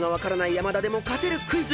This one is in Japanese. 山田でも勝てるクイズ］